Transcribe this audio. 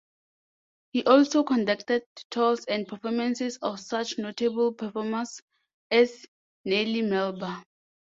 He also conducted tours and performances of such notable performers as Nellie Melba.